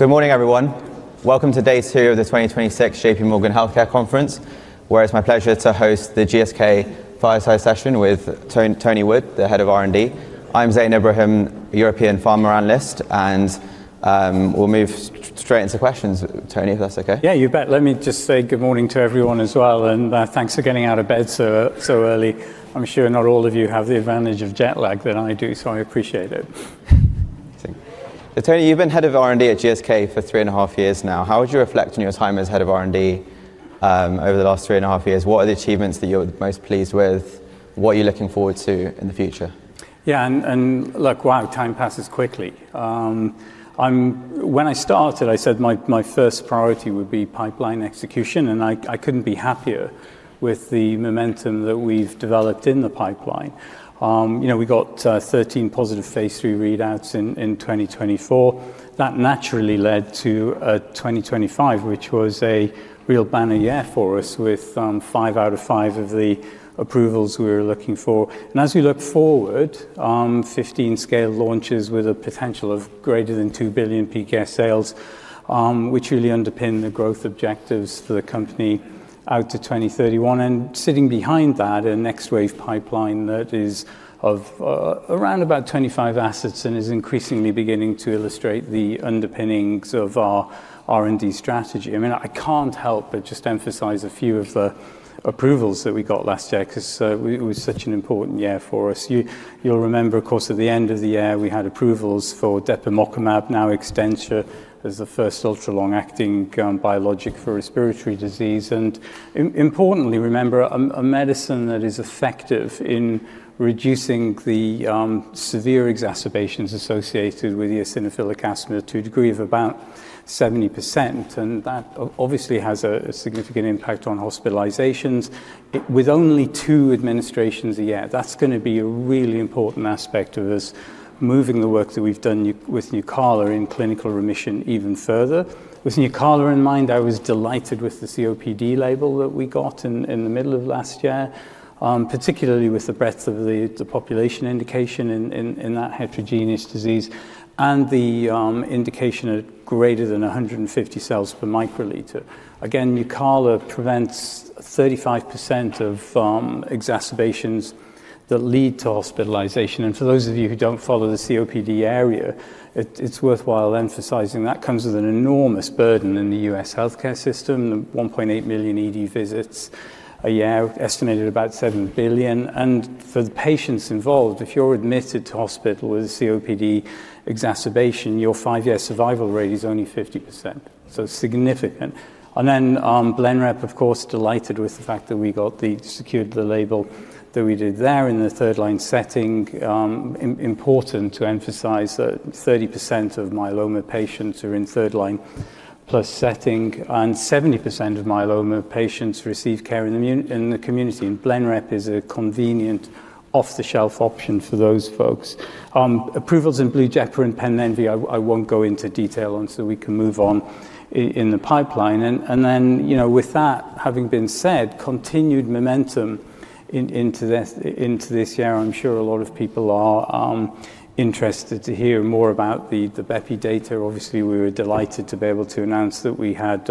Good morning, everyone. Welcome to day two of the 2026 J.P. Morgan Healthcare Conference, where it's my pleasure to host the GSK fireside session with Tony Wood, the head of R&D. I'm Zain Ebrahim, European Pharma Analyst, and we'll move straight into questions, Tony, if that's OK. Yeah, you bet. Let me just say good morning to everyone as well, and thanks for getting out of bed so early. I'm sure not all of you have the advantage of jet lag that I do, so I appreciate it. Tony, you've been head of R&D at GSK for three and a half years now. How would you reflect on your time as head of R&D over the last three and a half years? What are the achievements that you're most pleased with? What are you looking forward to in the future? Yeah, and look, wow, time passes quickly. When I started, I said my first priority would be pipeline execution, and I couldn't be happier with the momentum that we've developed in the pipeline. We got 13 positive phase 3 readouts in 2024. That naturally led to 2025, which was a real banner year for us with five out of five of the approvals we were looking for. And as we look forward, 15 scale launches with a potential of greater than $2 billion peak sales, which really underpin the growth objectives for the company out to 2031. And sitting behind that, a next wave pipeline that is of around about 25 assets and is increasingly beginning to illustrate the underpinnings of our R&D strategy. I mean, I can't help but just emphasize a few of the approvals that we got last year because it was such an important year for us. You'll remember, of course, at the end of the year, we had approvals for depemokimab, now Xtensia, as the first ultra-long-acting biologic for respiratory disease, and importantly, remember, a medicine that is effective in reducing the severe exacerbations associated with eosinophilic asthma to a degree of about 70%, and that obviously has a significant impact on hospitalizations. With only two administrations a year, that's going to be a really important aspect of us moving the work that we've done with Nucala in clinical remission even further. With Nucala in mind, I was delighted with the COPD label that we got in the middle of last year, particularly with the breadth of the population indication in that heterogeneous disease and the indication of greater than 150 cells per microliter. Again, Nucala prevents 35% of exacerbations that lead to hospitalization. And for those of you who don't follow the COPD area, it's worthwhile emphasizing that comes with an enormous burden in the U.S. healthcare system, the 1.8 million ED visits a year, estimated about $7 billion. And for the patients involved, if you're admitted to hospital with a COPD exacerbation, your five-year survival rate is only 50%. So significant. And then Blenrep, of course, delighted with the fact that we secured the label that we did there in the third line setting. Important to emphasize that 30% of myeloma patients are in third-line plus setting, and 70% of myeloma patients receive care in the community, and Blenrep is a convenient off-the-shelf option for those folks. Approvals in US and Japan, I won't go into detail on, so we can move on in the pipeline, and then with that having been said, continued momentum into this year. I'm sure a lot of people are interested to hear more about the Bepi data. Obviously, we were delighted to be able to announce that we had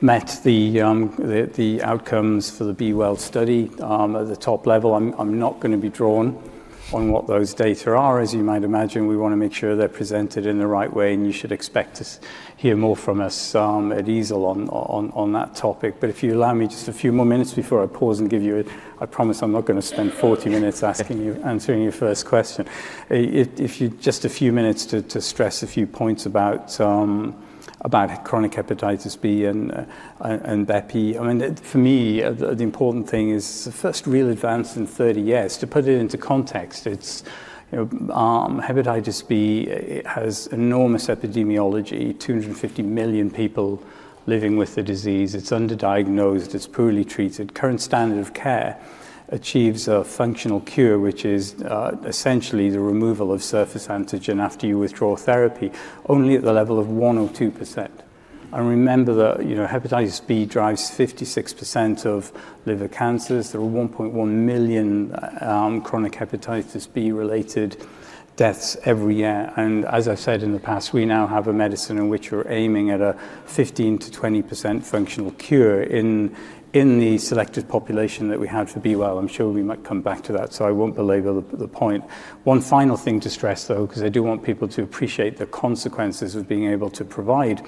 met the outcomes for the B-Well study at the top level. I'm not going to be drawn on what those data are. As you might imagine, we want to make sure they're presented in the right way, and you should expect to hear more from us at EASL on that topic. But if you allow me just a few more minutes before I pause and give it to you, I promise I'm not going to spend 40 minutes answering your first question. If you give me just a few minutes to stress a few points about chronic hepatitis B and Bepi, I mean, for me, the important thing is the first real advance in 30 years. To put it into context, hepatitis B has enormous epidemiology, 250 million people living with the disease. It's underdiagnosed. It's poorly treated. Current standard of care achieves a functional cure, which is essentially the removal of surface antigen after you withdraw therapy, only at the level of 1% or 2%. And remember that hepatitis B drives 56% of liver cancers. There are 1.1 million chronic hepatitis B-related deaths every year. As I've said in the past, we now have a medicine in which we're aiming at a 15%-20% functional cure in the selected population that we had for B-Well. I'm sure we might come back to that, so I won't belabor the point. One final thing to stress, though, because I do want people to appreciate the consequences of being able to provide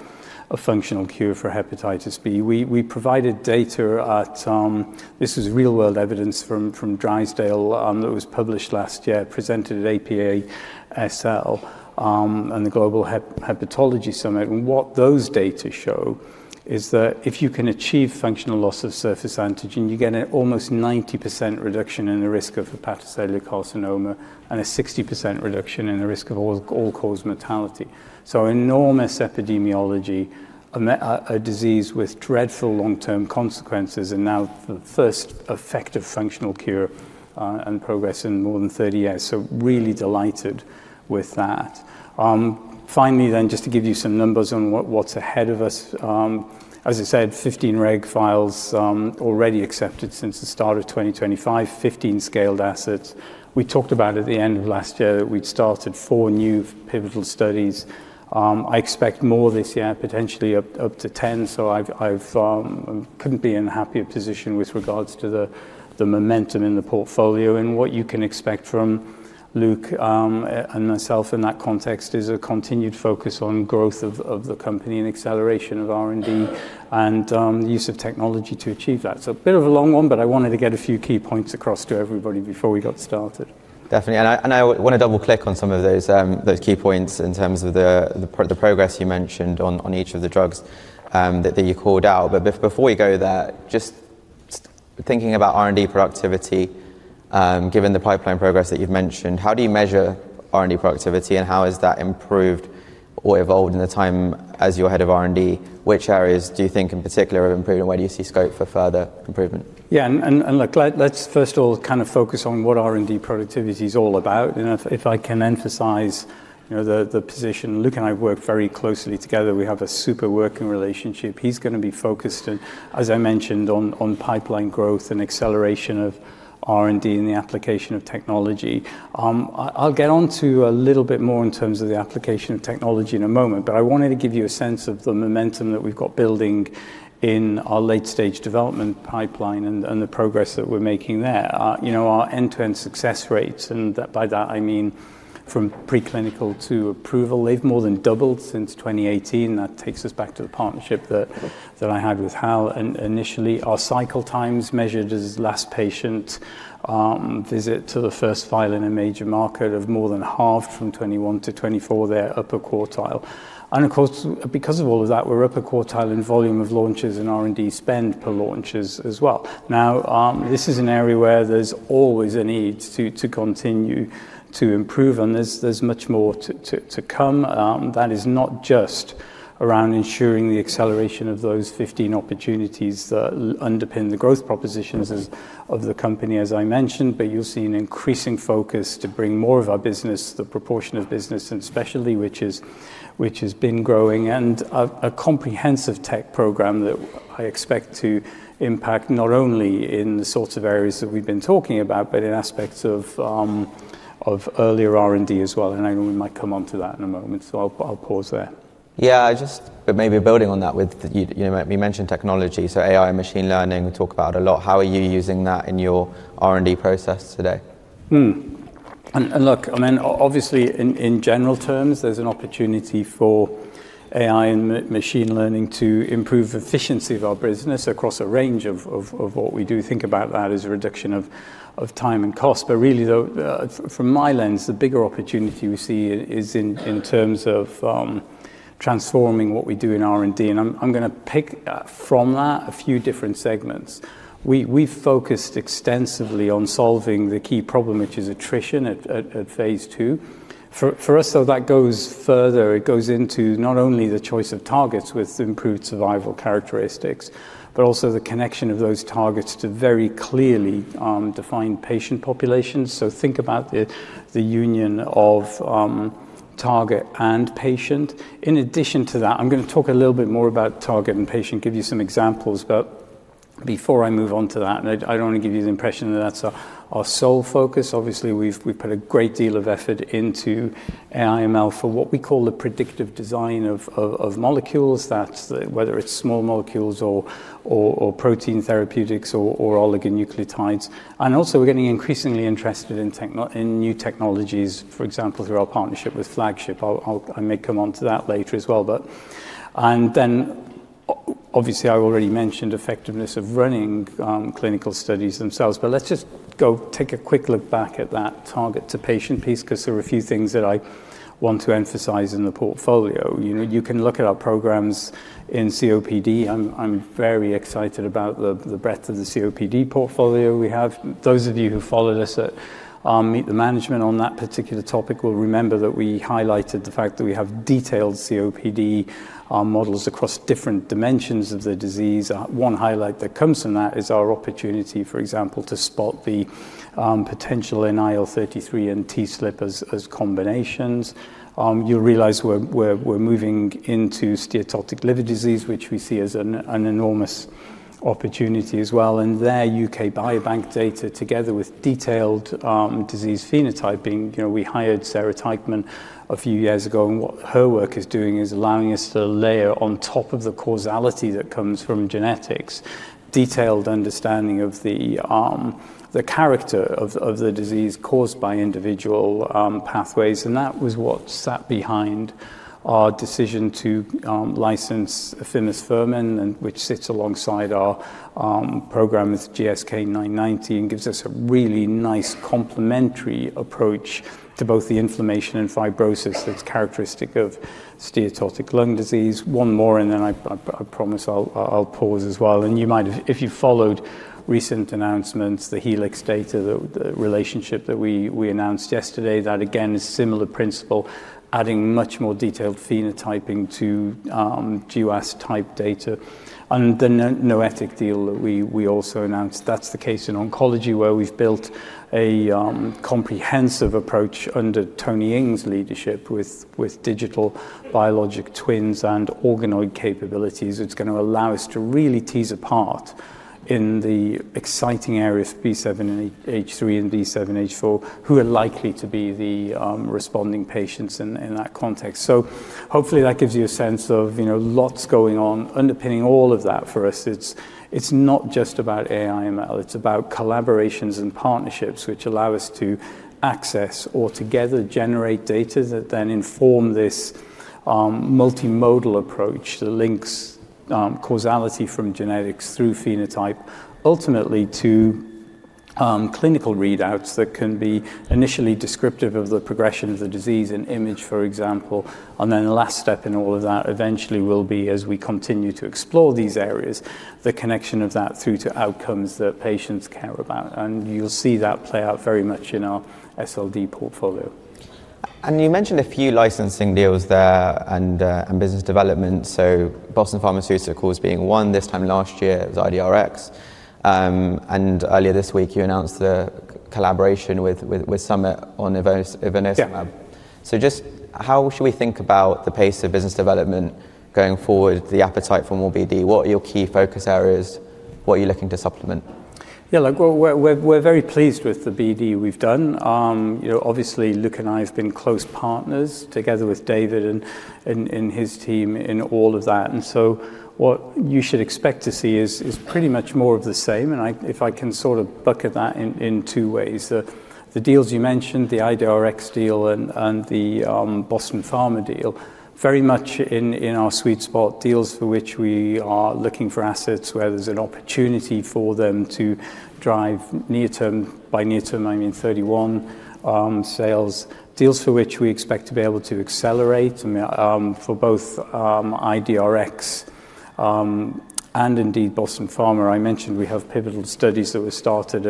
a functional cure for hepatitis B. We provided data and this was real-world evidence from Drysdale that was published last year, presented at APASL and the Global Hepatology Summit. And what those data show is that if you can achieve functional loss of surface antigen, you get an almost 90% reduction in the risk of hepatocellular carcinoma and a 60% reduction in the risk of all-cause mortality. So enormous epidemiology, a disease with dreadful long-term consequences, and now the first effective functional cure and progress in more than 30 years. So really delighted with that. Finally, then, just to give you some numbers on what's ahead of us, as I said, 15 reg files already accepted since the start of 2025, 15 late-stage assets. We talked about at the end of last year that we'd started four new pivotal studies. I expect more this year, potentially up to 10. So I couldn't be in a happier position with regards to the momentum in the portfolio. And what you can expect from Luke and myself in that context is a continued focus on growth of the company and acceleration of R&D and use of technology to achieve that. So a bit of a long one, but I wanted to get a few key points across to everybody before we got started. Definitely. And I want to double-click on some of those key points in terms of the progress you mentioned on each of the drugs that you called out. But before we go there, just thinking about R&D productivity, given the pipeline progress that you've mentioned, how do you measure R&D productivity, and how has that improved or evolved in the time as your head of R&D? Which areas do you think in particular have improved, and where do you see scope for further improvement? Yeah, and look, let's first of all kind of focus on what R&D productivity is all about, and if I can emphasize the position, Luke and I have worked very closely together. We have a super working relationship. He's going to be focused, as I mentioned, on pipeline growth and acceleration of R&D and the application of technology. I'll get on to a little bit more in terms of the application of technology in a moment, but I wanted to give you a sense of the momentum that we've got building in our late-stage development pipeline and the progress that we're making there. Our end-to-end success rates, and by that I mean from preclinical to approval, they've more than doubled since 2018. That takes us back to the partnership that I had with Hal. Initially, our cycle times measured as last patient visit to the first file in a major market have more than halved from 2021 to 2024, their upper quartile, and of course, because of all of that, we're upper quartile in volume of launches and R&D spend per launches as well. Now, this is an area where there's always a need to continue to improve, and there's much more to come. That is not just around ensuring the acceleration of those 15 opportunities that underpin the growth propositions of the company, as I mentioned, but you'll see an increasing focus to bring more of our business, the proportion of business and specialty, which has been growing, and a comprehensive tech program that I expect to impact not only in the sorts of areas that we've been talking about, but in aspects of earlier R&D as well. I know we might come on to that in a moment, so I'll pause there. Yeah, just maybe building on that, you mentioned technology, so AI and machine learning we talk about a lot. How are you using that in your R&D process today? Look, I mean, obviously, in general terms, there's an opportunity for AI and machine learning to improve efficiency of our business across a range of what we do. Think about that as a reduction of time and cost. But really, though, from my lens, the bigger opportunity we see is in terms of transforming what we do in R&D. And I'm going to pick from that a few different segments. We've focused extensively on solving the key problem, which is attrition at phase two. For us, though, that goes further. It goes into not only the choice of targets with improved survival characteristics, but also the connection of those targets to very clearly defined patient populations. So think about the union of target and patient. In addition to that, I'm going to talk a little bit more about target and patient, give you some examples. But before I move on to that, I don't want to give you the impression that that's our sole focus. Obviously, we've put a great deal of effort into AI/ML for what we call the predictive design of molecules, whether it's small molecules or protein therapeutics or oligonucleotides. And also, we're getting increasingly interested in new technologies, for example, through our partnership with Flagship. I may come on to that later as well. And then, obviously, I already mentioned effectiveness of running clinical studies themselves. But let's just go take a quick look back at that target to patient piece because there are a few things that I want to emphasize in the portfolio. You can look at our programs in COPD. I'm very excited about the breadth of the COPD portfolio we have. Those of you who followed us at Meet the Management on that particular topic will remember that we highlighted the fact that we have detailed COPD models across different dimensions of the disease. One highlight that comes from that is our opportunity, for example, to spot the potential in IL-33 and TSLP as combinations. You'll realize we're moving into steatotic liver disease, which we see as an enormous opportunity as well. And their UK Biobank data, together with detailed disease phenotyping, we hired Sarah Teichmann a few years ago. And what her work is doing is allowing us to layer on top of the causality that comes from genetics, detailed understanding of the character of the disease caused by individual pathways. That was what sat behind our decision to license efruxifermin, which sits alongside our program with GSK990 and gives us a really nice complementary approach to both the inflammation and fibrosis that's characteristic of steatotic liver disease. One more, and then I promise I'll pause as well. If you followed recent announcements, the Helix data, the relationship that we announced yesterday, that, again, is similar principle, adding much more detailed phenotyping to GWAS-type data. The Noetik deal that we also announced. That's the case in oncology, where we've built a comprehensive approach under Tony Ng's leadership with digital biologic twins and organoid capabilities. It's going to allow us to really tease apart in the exciting areas B7-H3 and B7-H4 who are likely to be the responding patients in that context. Hopefully, that gives you a sense of lots going on. Underpinning all of that for us, it's not just about AI/ML. It's about collaborations and partnerships, which allow us to access or together generate data that then inform this multimodal approach that links causality from genetics through phenotype, ultimately to clinical readouts that can be initially descriptive of the progression of the disease in image, for example. And then the last step in all of that eventually will be, as we continue to explore these areas, the connection of that through to outcomes that patients care about. And you'll see that play out very much in our SLD portfolio. You mentioned a few licensing deals there and business development. So Boston Pharmaceuticals being one this time last year was IDRx. And earlier this week, you announced the collaboration with Summit on ivonescimab. So just how should we think about the pace of business development going forward, the appetite for more BD? What are your key focus areas? What are you looking to supplement? Yeah, look, we're very pleased with the BD we've done. Obviously, Luke and I have been close partners together with David and his team in all of that, and so what you should expect to see is pretty much more of the same. And if I can sort of bucket that in two ways, the deals you mentioned, the IDRx deal and the Boston Pharma deal, very much in our sweet spot, deals for which we are looking for assets where there's an opportunity for them to drive near-term, by near-term, I mean 2031 sales, deals for which we expect to be able to accelerate for both IDRx and indeed Boston Pharma. I mentioned we have pivotal studies that were started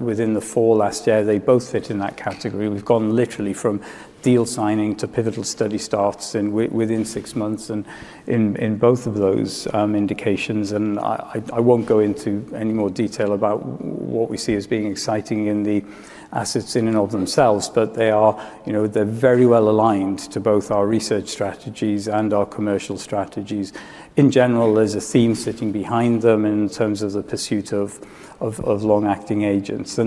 within the fall last year. They both fit in that category. We've gone literally from deal signing to pivotal study starts within six months in both of those indications. I won't go into any more detail about what we see as being exciting in the assets in and of themselves, but they're very well aligned to both our research strategies and our commercial strategies. In general, there's a theme sitting behind them in terms of the pursuit of long-acting agents.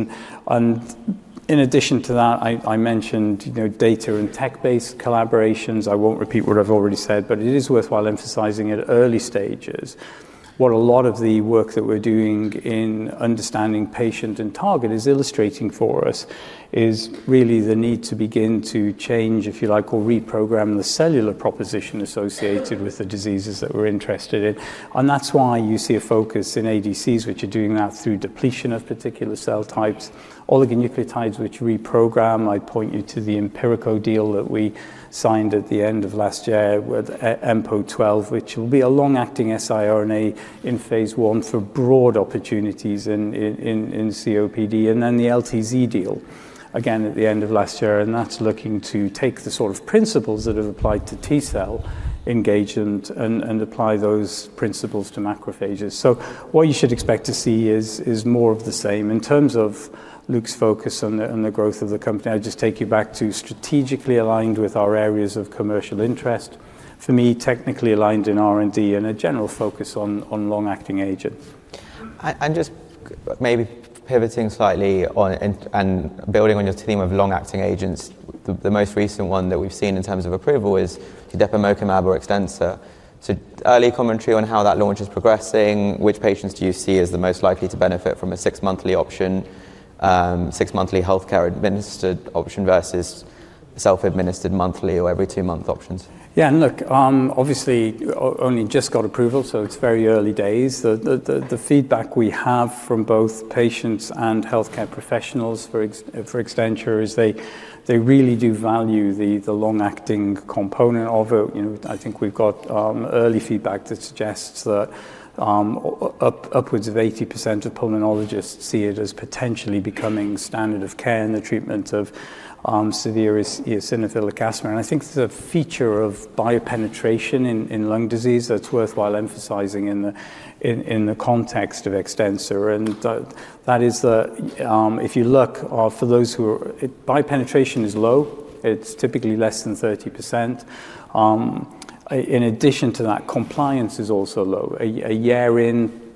In addition to that, I mentioned data and tech-based collaborations. I won't repeat what I've already said, but it is worthwhile emphasizing at early stages. What a lot of the work that we're doing in understanding patient and target is illustrating for us is really the need to begin to change, if you like, or reprogram the cellular proposition associated with the diseases that we're interested in. That's why you see a focus in ADCs, which are doing that through depletion of particular cell types, oligonucleotides, which reprogram. I point you to the Empirico deal that we signed at the end of last year with EMPO-12, which will be a long-acting siRNA in phase one for broad opportunities in COPD, and then the LTZ deal, again, at the end of last year, and that's looking to take the sort of principles that have applied to T-cell engagement and apply those principles to macrophages, so what you should expect to see is more of the same. In terms of Luke's focus on the growth of the company, I'll just take you back to strategically aligned with our areas of commercial interest. For me, technically aligned in R&D and a general focus on long-acting agents. Just maybe pivoting slightly and building on your theme of long-acting agents, the most recent one that we've seen in terms of approval is depemokimab or Xtensia. Early commentary on how that launch is progressing, which patients do you see as the most likely to benefit from a six-monthly option, six-monthly healthcare-administered option versus self-administered monthly or every two-month options? Yeah, and look, obviously, only just got approval, so it's very early days. The feedback we have from both patients and healthcare professionals for Xtensia is they really do value the long-acting component of it. I think we've got early feedback that suggests that upwards of 80% of pulmonologists see it as potentially becoming standard of care in the treatment of severe eosinophilic asthma. And I think there's a feature of biologic penetration in lung disease that's worthwhile emphasizing in the context of Xtensia. And that is that if you look, for those who are biologic penetration is low. It's typically less than 30%. In addition to that, compliance is also low. A year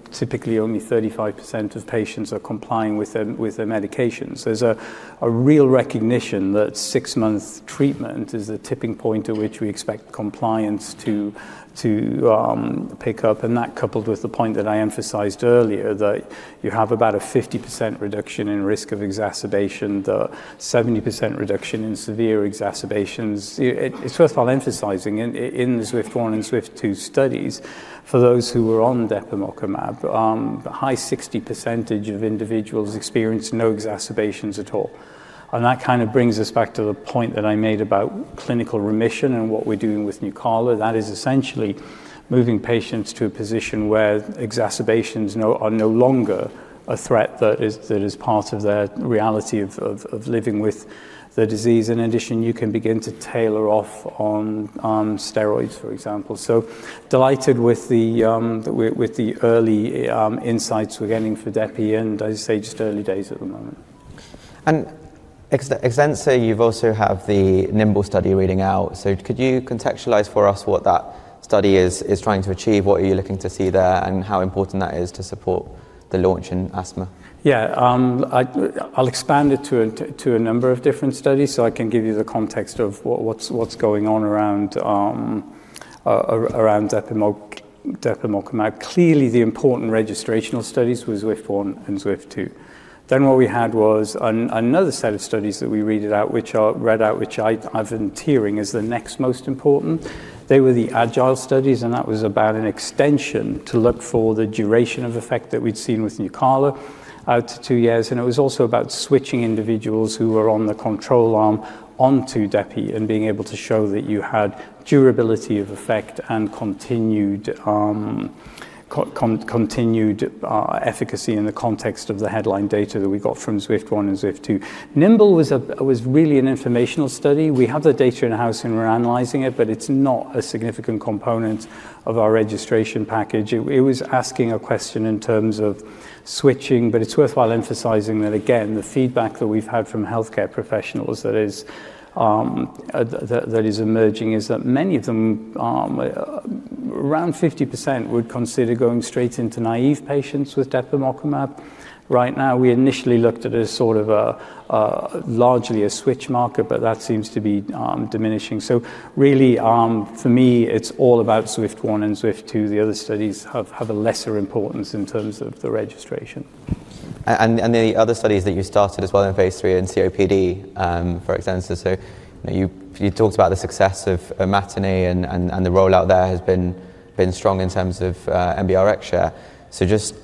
in, typically only 35% of patients are complying with their medications. There's a real recognition that six-month treatment is the tipping point at which we expect compliance to pick up. That coupled with the point that I emphasized earlier, that you have about a 50% reduction in risk of exacerbation, the 70% reduction in severe exacerbations. First of all, emphasizing in the SWIFT-1 and SWIFT-2 studies, for those who were on depemokimab, a high 60% of individuals experienced no exacerbations at all. That kind of brings us back to the point that I made about clinical remission and what we're doing with Nucala. That is essentially moving patients to a position where exacerbations are no longer a threat that is part of their reality of living with the disease. In addition, you can begin to taper off on steroids, for example. Delighted with the early insights we're getting for depemokimab, and I'd say just early days at the moment. And Xtensia, you've also had the NIMBLE study reading out. So could you contextualize for us what that study is trying to achieve, what are you looking to see there, and how important that is to support the launch in asthma? Yeah, I'll expand it to a number of different studies so I can give you the context of what's going on around depemokimab. Clearly, the important registrational studies were SWIFT-1 and SWIFT-2. Then what we had was another set of studies that we read out, which I've been terming as the next most important. They were the AGILE studies, and that was about an extension to look for the duration of effect that we'd seen with Nucala out to two years. And it was also about switching individuals who were on the control arm onto Depi and being able to show that you had durability of effect and continued efficacy in the context of the headline data that we got from SWIFT-1 and SWIFT-2. Nimble was really an informational study. We have the data in-house and we're analyzing it, but it's not a significant component of our registration package. It was asking a question in terms of switching, but it's worthwhile emphasizing that, again, the feedback that we've had from healthcare professionals that is emerging is that many of them, around 50%, would consider going straight into naive patients with depemokimab. Right now, we initially looked at it as sort of largely a switch market, but that seems to be diminishing. So really, for me, it's all about SWIFT-1 and SWIFT-2. The other studies have a lesser importance in terms of the registration. And the other studies that you started as well in phase three in COPD for Xtensia. So you talked about the success of MATINEE and the rollout there has been strong in terms of market share. So just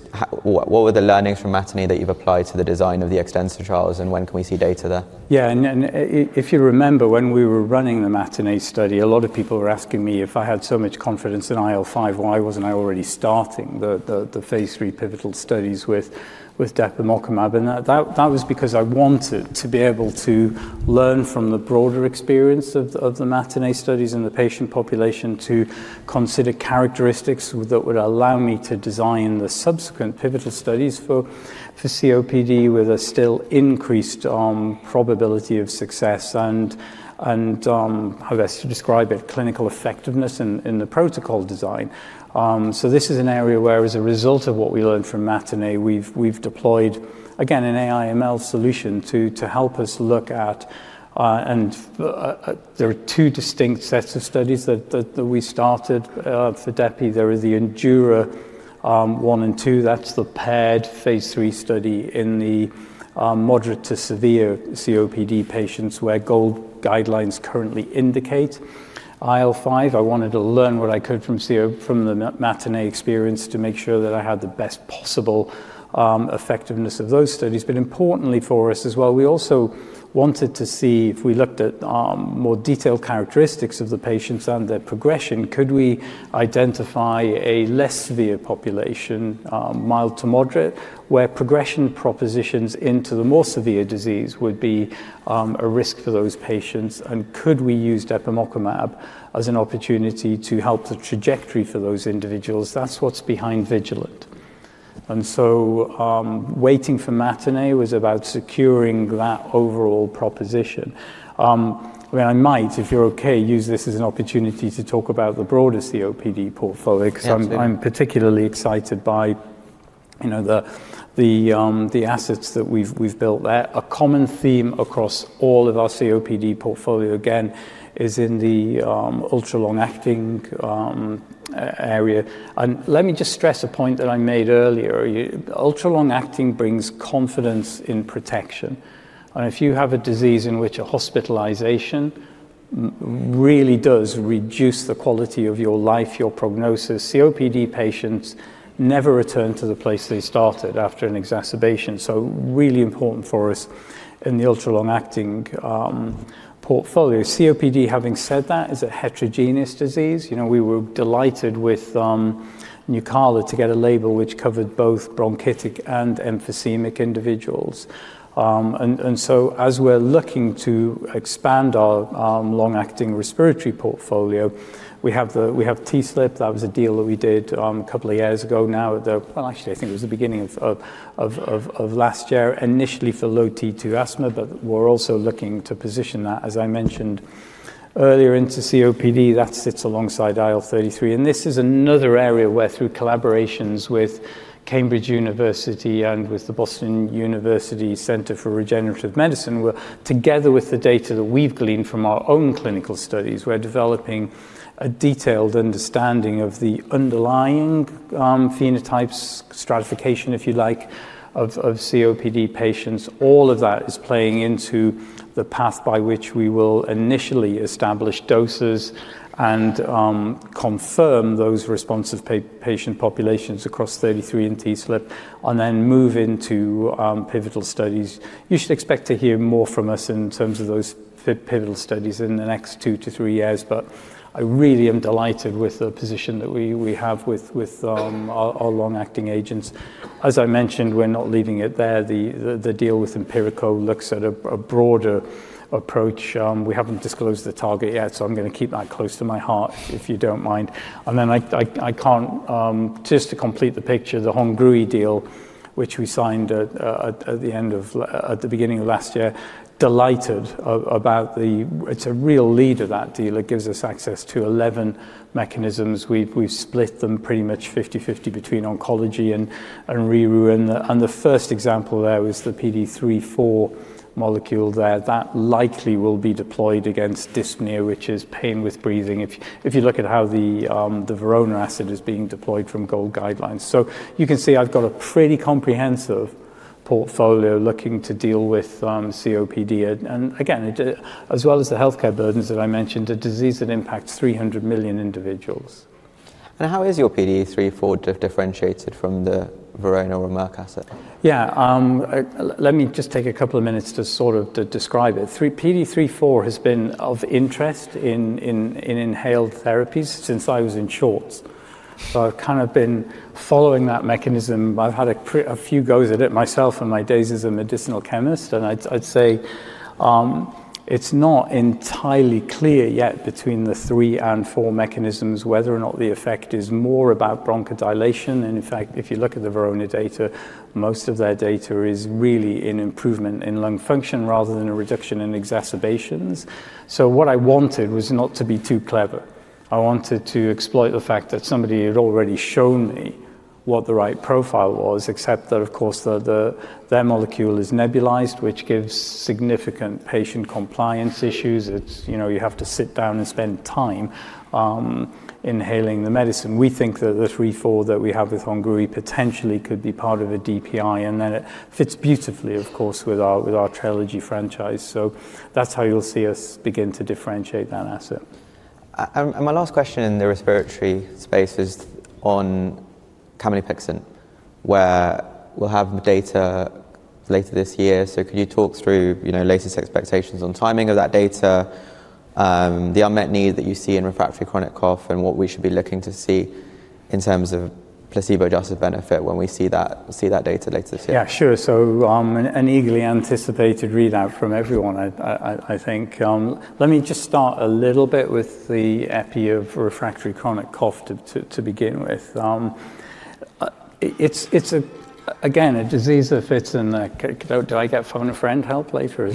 what were the learnings from MATINEE that you've applied to the design of the Xtensia trials and when can we see data there? Yeah, and if you remember, when we were running the MATINEE study, a lot of people were asking me if I had so much confidence in IL-5, why wasn't I already starting the phase three pivotal studies with depemokimab? And that was because I wanted to be able to learn from the broader experience of the MATINEE studies and the patient population to consider characteristics that would allow me to design the subsequent pivotal studies for COPD with a still increased probability of success and, I guess, to describe it, clinical effectiveness in the protocol design. So this is an area where, as a result of what we learned from MATINEE, we've deployed, again, an AI/ML solution to help us look at, and there are two distinct sets of studies that we started for depemokimab. There are the ENDURA-1 and 2. That's the paired phase three study in the moderate to severe COPD patients where GOLD guidelines currently indicate IL-5. I wanted to learn what I could from the MATINEE experience to make sure that I had the best possible effectiveness of those studies. But importantly for us as well, we also wanted to see if we looked at more detailed characteristics of the patients and their progression, could we identify a less severe population, mild to moderate, where progression propositions into the more severe disease would be a risk for those patients? And could we use depemokimab as an opportunity to help the trajectory for those individuals? That's what's behind VIGILANT. So waiting for MATINEE was about securing that overall proposition. I mean, I might, if you're okay, use this as an opportunity to talk about the broader COPD portfolio because I'm particularly excited by the assets that we've built there. A common theme across all of our COPD portfolio, again, is in the ultra-long-acting area. And let me just stress a point that I made earlier. Ultra-long-acting brings confidence in protection. And if you have a disease in which a hospitalization really does reduce the quality of your life, your prognosis, COPD patients never return to the place they started after an exacerbation. So really important for us in the ultra-long-acting portfolio. COPD, having said that, is a heterogeneous disease. We were delighted with Nucala to get a label which covered both bronchitic and emphysemic individuals. And so as we're looking to expand our long-acting respiratory portfolio, we have TSLP. That was a deal that we did a couple of years ago now at the, well, actually, I think it was the beginning of last year, initially for low T2 asthma, but we're also looking to position that, as I mentioned earlier, into COPD. That sits alongside IL-33, and this is another area where, through collaborations with Cambridge University and with the Boston University Center for Regenerative Medicine, together with the data that we've gleaned from our own clinical studies, we're developing a detailed understanding of the underlying phenotypes, stratification, if you like, of COPD patients. All of that is playing into the path by which we will initially establish doses and confirm those responsive patient populations across IL-33 and TSLP, and then move into pivotal studies. You should expect to hear more from us in terms of those pivotal studies in the next two to three years, but I really am delighted with the position that we have with our long-acting agents. As I mentioned, we're not leaving it there. The deal with Empirico looks at a broader approach. We haven't disclosed the target yet, so I'm going to keep that close to my heart if you don't mind, and then I can't, just to complete the picture, the Hansoh deal, which we signed at the beginning of last year. Delighted about the, it's a real lead of that deal. It gives us access to 11 mechanisms. We've split them pretty much 50/50 between oncology and R&I. The first example there was the PDE3/4 molecule there that likely will be deployed against dyspnea, which is pain with breathing, if you look at how the Verona asset is being deployed from GOLD guidelines. You can see I've got a pretty comprehensive portfolio looking to deal with COPD. As well as the healthcare burdens that I mentioned, a disease that impacts 300 million individuals. How is your PDE3/4 differentiated from the Verona or Merck's? Yeah, let me just take a couple of minutes to sort of describe it. PDE3/4 has been of interest in inhaled therapies since I was in shorts. So I've kind of been following that mechanism. I've had a few goes at it myself in my days as a medicinal chemist. And I'd say it's not entirely clear yet between the three and four mechanisms whether or not the effect is more about bronchodilation. And in fact, if you look at the Verona data, most of their data is really in improvement in lung function rather than a reduction in exacerbations. So what I wanted was not to be too clever. I wanted to exploit the fact that somebody had already shown me what the right profile was, except that, of course, their molecule is nebulized, which gives significant patient compliance issues. You have to sit down and spend time inhaling the medicine. We think that the three, four that we have with Hansoh potentially could be part of a DPI, and then it fits beautifully, of course, with our Trelegy franchise, so that's how you'll see us begin to differentiate that asset. My last question in the respiratory space is on camlipixant, where we'll have data later this year. Could you talk through latest expectations on timing of that data, the unmet need that you see in refractory chronic cough, and what we should be looking to see in terms of placebo-adjusted benefit when we see that data later this year? Yeah, sure. So an eagerly anticipated readout from everyone, I think. Let me just start a little bit with the epi of refractory chronic cough to begin with. It's, again, a disease that fits in the, do I get phone a friend help later?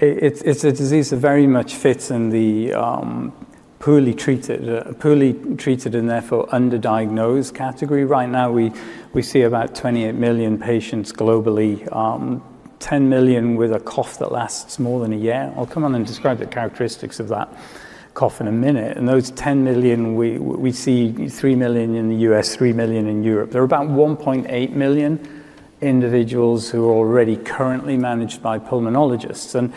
It's a disease that very much fits in the poorly treated and therefore underdiagnosed category. Right now, we see about 28 million patients globally, 10 million with a cough that lasts more than a year. I'll come on and describe the characteristics of that cough in a minute. And those 10 million, we see 3 million in the U.S., 3 million in Europe. There are about 1.8 million individuals who are already currently managed by pulmonologists. And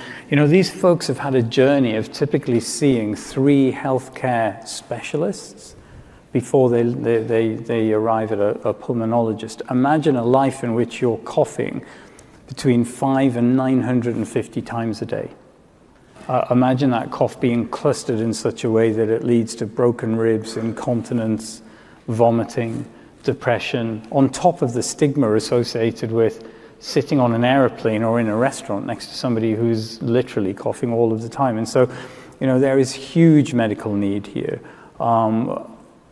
these folks have had a journey of typically seeing three healthcare specialists before they arrive at a pulmonologist. Imagine a life in which you're coughing between five and 950 times a day. Imagine that cough being clustered in such a way that it leads to broken ribs, incontinence, vomiting, depression, on top of the stigma associated with sitting on an airplane or in a restaurant next to somebody who's literally coughing all of the time. And so there is huge medical need here.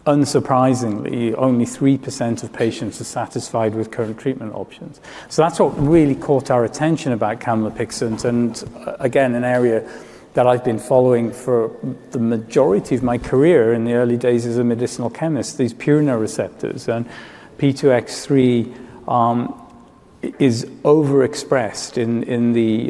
Unsurprisingly, only 3% of patients are satisfied with current treatment options. So that's what really caught our attention about camlipixant. And again, an area that I've been following for the majority of my career in the early days as a medicinal chemist, these purine receptors. And P2X3 is overexpressed in the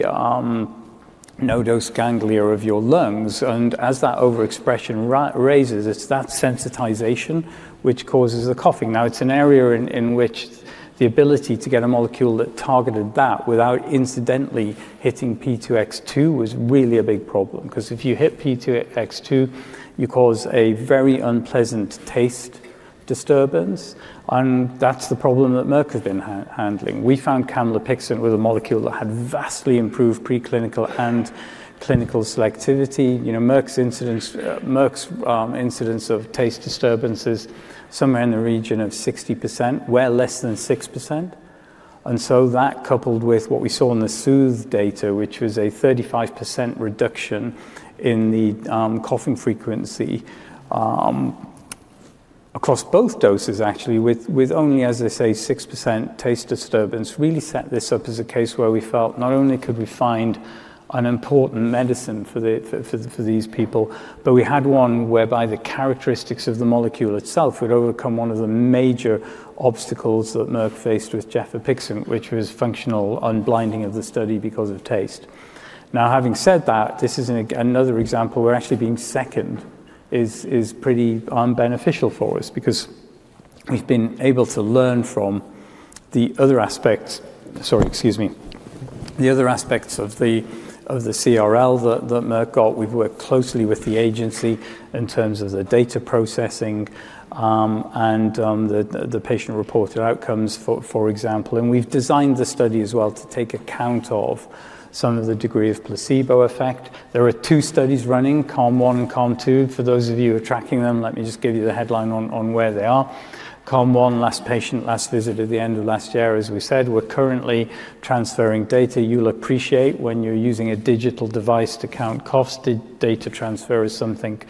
nodose ganglia of your lungs. And as that overexpression raises, it's that sensitization which causes the coughing. Now, it's an area in which the ability to get a molecule that targeted that without incidentally hitting P2X2 was really a big problem because if you hit P2X2, you cause a very unpleasant taste disturbance. And that's the problem that Merck has been handling. We found camlipixant with a molecule that had vastly improved preclinical and clinical selectivity. Merck's incidence of taste disturbances is somewhere in the region of 60%, where less than 6%. And so that coupled with what we saw in the SOOTHE data, which was a 35% reduction in the coughing frequency across both doses, actually, with only, as I say, 6% taste disturbance, really set this up as a case where we felt not only could we find an important medicine for these people, but we had one whereby the characteristics of the molecule itself would overcome one of the major obstacles that Merck faced with gefapixant, which was functional unblinding of the study because of taste. Now, having said that, this is another example where actually being second is pretty beneficial for us because we've been able to learn from the other aspects, sorry, excuse me, the other aspects of the CRL that Merck got. We've worked closely with the agency in terms of the data processing and the patient-reported outcomes, for example. We've designed the study as well to take account of some of the degree of placebo effect. There are two studies running, CALM-1 and CALM-2. For those of you who are tracking them, let me just give you the headline on where they are. CALM-1, last patient, last visit at the end of last year, as we said. We're currently transferring data. You'll appreciate when you're using a digital device to count coughs. Data transfer is something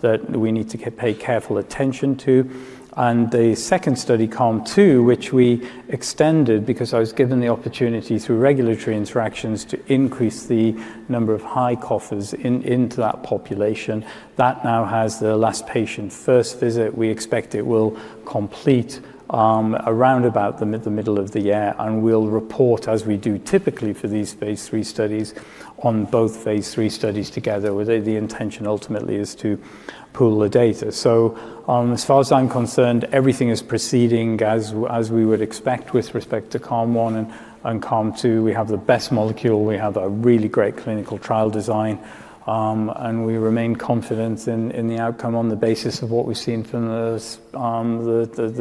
that we need to pay careful attention to. The second study, CALM-2, which we extended because I was given the opportunity through regulatory interactions to increase the number of high coughers into that population. That now has the last patient first visit. We expect it will complete around about the middle of the year and will report, as we do typically for these phase three studies, on both phase three studies together, where the intention ultimately is to pool the data. So as far as I'm concerned, everything is proceeding as we would expect with respect to CALM-1 and CALM-2. We have the best molecule. We have a really great clinical trial design and we remain confident in the outcome on the basis of what we've seen from the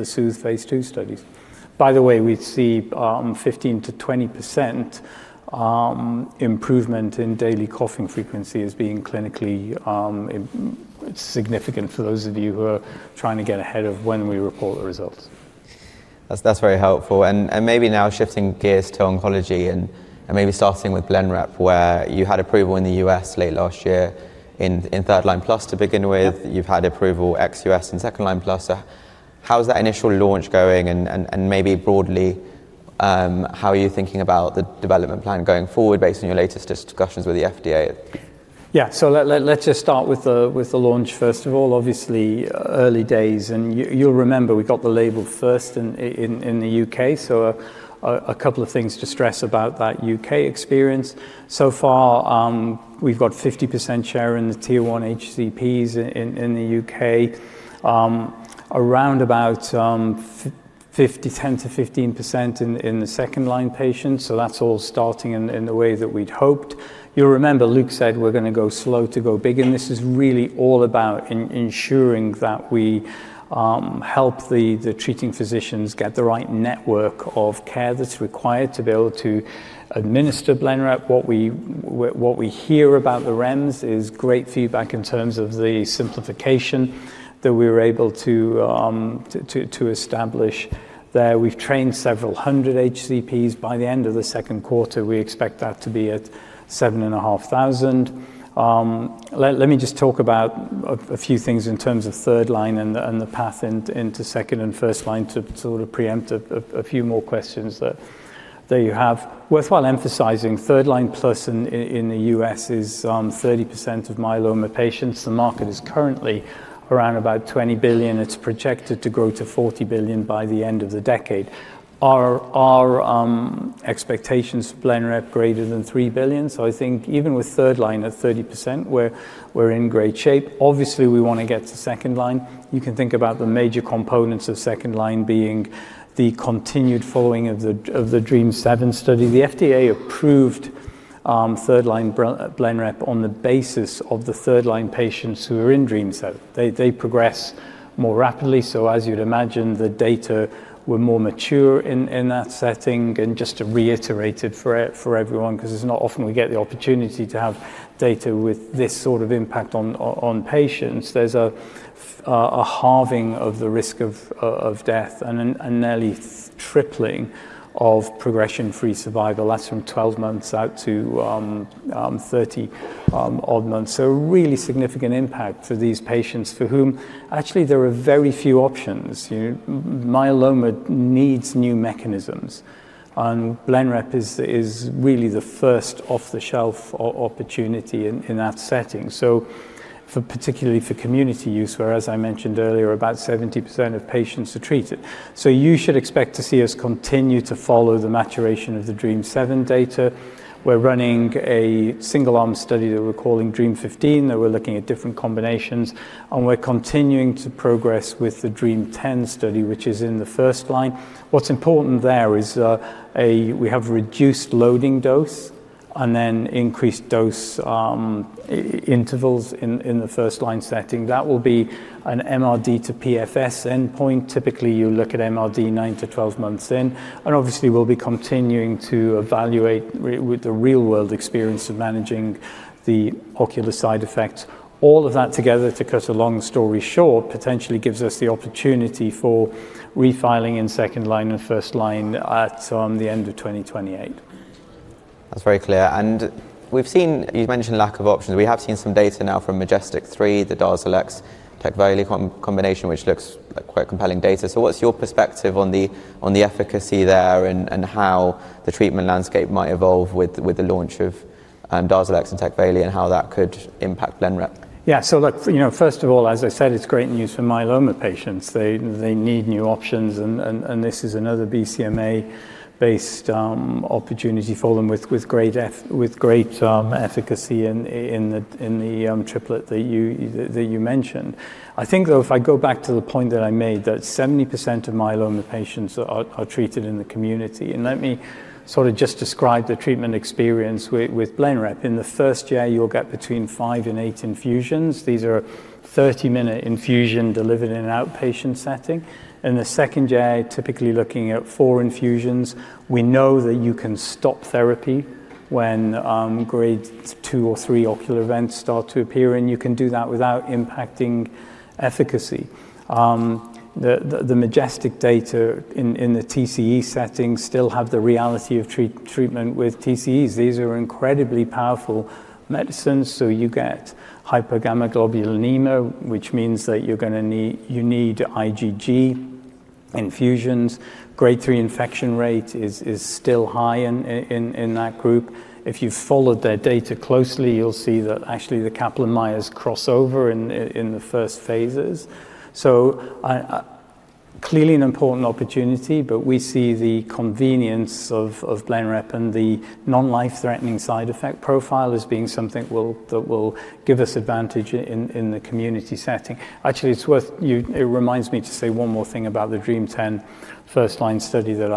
SOOTHE phase two studies. By the way, we see 15%-20% improvement in daily coughing frequency as being clinically significant for those of you who are trying to get ahead of when we report the results. That's very helpful. And maybe now shifting gears to oncology and maybe starting with Blenrep, where you had approval in the US late last year in third line plus to begin with. You've had approval ex-US in second line plus. How's that initial launch going? And maybe broadly, how are you thinking about the development plan going forward based on your latest discussions with the FDA? Yeah, so let's just start with the launch first of all, obviously early days. And you'll remember we got the label first in the UK. So a couple of things to stress about that UK experience. So far, we've got 50% share in the tier one HCPs in the UK, around about 10%-15% in the second line patients. So that's all starting in the way that we'd hoped. You'll remember Luke said we're going to go slow to go big. And this is really all about ensuring that we help the treating physicians get the right network of care that's required to be able to administer Blenrep. What we hear about the REMS is great feedback in terms of the simplification that we were able to establish there. We've trained several hundred HCPs. By the end of the second quarter, we expect that to be at 7,500. Let me just talk about a few things in terms of third line and the path into second and first line to sort of preempt a few more questions that you have. Worthwhile emphasizing, third line plus in the U.S. is 30% of myeloma patients. The market is currently around about $20 billion. It's projected to grow to $40 billion by the end of the decade. Our expectations for Blenrep greater than $3 billion. So I think even with third line at 30%, we're in great shape. Obviously, we want to get to second line. You can think about the major components of second line being the continued following of the DREAMM-7 study. The FDA approved third line Blenrep on the basis of the third line patients who are in DREAMM-7. They progress more rapidly. So as you'd imagine, the data were more mature in that setting. And just to reiterate it for everyone, because it's not often we get the opportunity to have data with this sort of impact on patients, there's a halving of the risk of death and a nearly tripling of progression-free survival. That's from 12 months out to 30 odd months. So a really significant impact for these patients for whom actually there are very few options. Myeloma needs new mechanisms. And Blenrep is really the first off-the-shelf opportunity in that setting. So particularly for community use, whereas I mentioned earlier, about 70% of patients are treated. So you should expect to see us continue to follow the maturation of the DREAMM-7 data. We're running a single-arm study that we're calling DREAMM-15. We're looking at different combinations. And we're continuing to progress with the DREAMM-10 study, which is in the first line. What's important there is we have reduced loading dose and then increased dose intervals in the first line setting. That will be an MRD to PFS endpoint. Typically, you look at MRD nine to 12 months in. And obviously, we'll be continuing to evaluate with the real-world experience of managing the ocular side effects. All of that together, to cut a long story short, potentially gives us the opportunity for refiling in second line and first line at the end of 2028. That's very clear, and we've seen, you've mentioned lack of options. We have seen some data now from MajesTEC-3, the Darzalex-Tecvayli combination, which looks like quite compelling data, so what's your perspective on the efficacy there and how the treatment landscape might evolve with the launch of Darzalex and Tecvayli and how that could impact Blenrep? Yeah, so look, first of all, as I said, it's great news for myeloma patients. They need new options. And this is another BCMA-based opportunity for them with great efficacy in the triplet that you mentioned. I think, though, if I go back to the point that I made, that 70% of myeloma patients are treated in the community. And let me sort of just describe the treatment experience with Blenrep. In the first year, you'll get between five and eight infusions. These are 30-minute infusions delivered in an outpatient setting. In the second year, typically looking at four infusions. We know that you can stop therapy when grade two or three ocular events start to appear. And you can do that without impacting efficacy. The MajesTEC data in the TCE setting still have the reality of treatment with TCEs. These are incredibly powerful medicines. So you get hypogammaglobulinemia, which means that you need IgG infusions. Grade three infection rate is still high in that group. If you've followed their data closely, you'll see that actually the Kaplan-Meier’s crossover in the first phases. So clearly an important opportunity, but we see the convenience of Blenrep and the non-life-threatening side effect profile as being something that will give us advantage in the community setting. Actually, it reminds me to say one more thing about the DREAMM-10 first line study that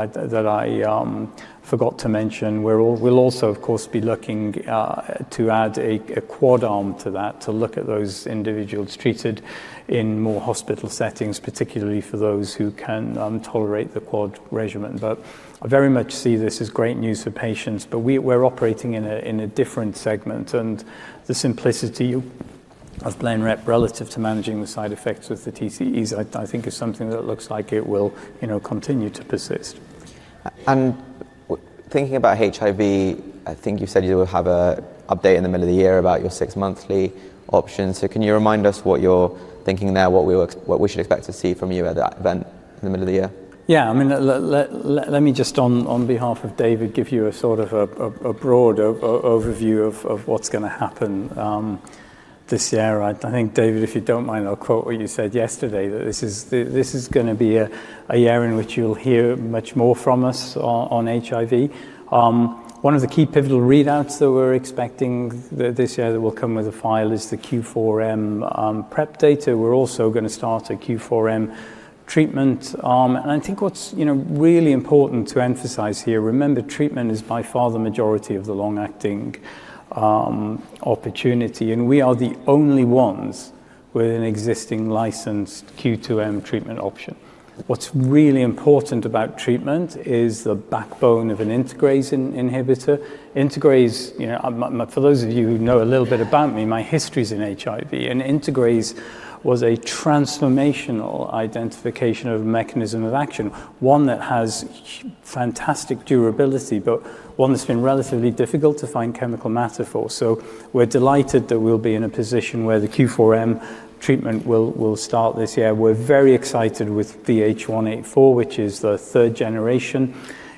I forgot to mention. We'll also, of course, be looking to add a quad arm to that to look at those individuals treated in more hospital settings, particularly for those who can tolerate the quad regimen. But I very much see this as great news for patients. But we're operating in a different segment. The simplicity of Blenrep relative to managing the side effects with the TCEs, I think, is something that looks like it will continue to persist. And thinking about HIV, I think you said you will have an update in the middle of the year about your six-monthly options. So can you remind us what you're thinking there, what we should expect to see from you at that event in the middle of the year? Yeah, I mean, let me just, on behalf of David, give you a sort of a broad overview of what's going to happen this year. I think, David, if you don't mind, I'll quote what you said yesterday, that this is going to be a year in which you'll hear much more from us on HIV. One of the key pivotal readouts that we're expecting this year that will come with a file is the Q4M PrEP data. We're also going to start a Q4M treatment. And I think what's really important to emphasize here, remember, treatment is by far the majority of the long-acting opportunity. And we are the only ones with an existing licensed Q2M treatment option. What's really important about treatment is the backbone of an integrase inhibitor. For those of you who know a little bit about me, my history is in HIV. And integrase was a transformational identification of a mechanism of action, one that has fantastic durability, but one that's been relatively difficult to find chemical matter for. So we're delighted that we'll be in a position where the Q4M treatment will start this year. We're very excited with VH184, which is the third-generation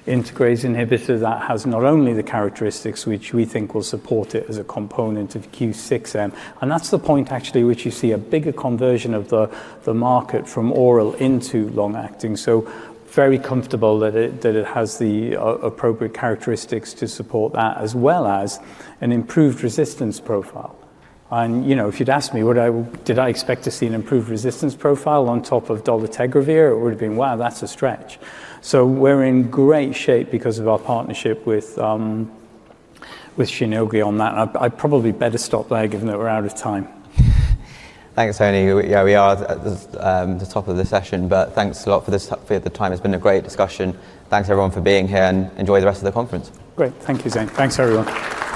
integrase inhibitor that has not only the characteristics which we think will support it as a component of Q6M. And that's the point, actually, which you see a bigger conversion of the market from oral into long-acting. So very comfortable that it has the appropriate characteristics to support that, as well as an improved resistance profile. And if you'd asked me what I did, I expect to see an improved resistance profile on top of dolutegravir, it would have been, wow, that's a stretch. So we're in great shape because of our partnership with Shionogi on that. I probably better stop there given that we're out of time. Thanks, Tony. Yeah, we are at the top of the session, but thanks a lot for the time. It's been a great discussion. Thanks, everyone, for being here, and enjoy the rest of the conference. Great. Thank you, Zain. Thanks, everyone.